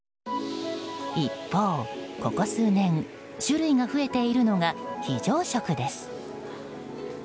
一方、ここ数年種類が増えているのが非常食です。